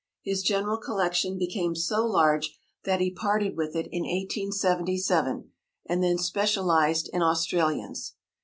His general collection became so large that he parted with it in 1877, and then specialised in Australians.